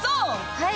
はい。